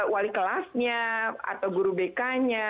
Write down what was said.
wali kelasnya atau guru bk nya